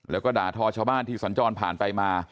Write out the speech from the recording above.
แล้วก็ด่าทอชาวบ้านที่สัญจรผ่านไปมา